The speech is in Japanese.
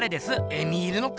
エミールの彼？